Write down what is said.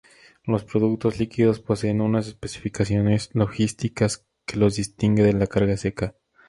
Los productos líquidos poseen unas especificaciones logísticas que los distingue de la carga seca.